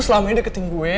lu selama ini deketin gue